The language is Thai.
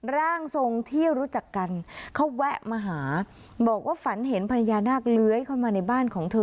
ร่างทรงที่รู้จักกันเขาแวะมาหาบอกว่าฝันเห็นพญานาคเลื้อยเข้ามาในบ้านของเธอ